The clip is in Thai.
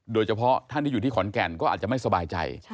โดยเฉพาะท่านที่อยู่ที่ขอนแก่นก็อาจจะไม่สบายใจ